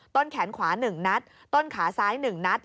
ต้นแขนขวา๑นัดต้นขาซ้าย๑นัด